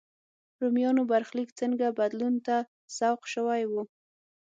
رومیانو برخلیک څنګه بدلون ته سوق شوی و.